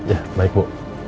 ya baik bu